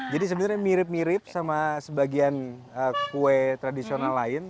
jadi sebenarnya mirip mirip sama sebagian kue tradisional lain